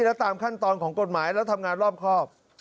และตามขั้นตอนของกฎหมายแล้วทำงานรอบครอบ